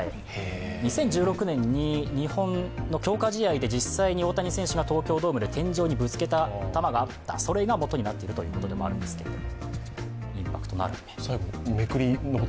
２０１６年に日本の強化試合で実際に大谷選手が、東京ドームで天井にぶつけた球があった、それがもとになっているということでもあるんですけれども。